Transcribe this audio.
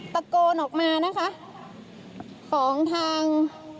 ตะโกนออกมานะคะของทาง